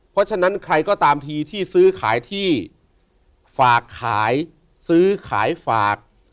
เพราะฉะนั้นใครก็ตามทีที่ซื้อขายที่ฝากขายซื้อขายฝาก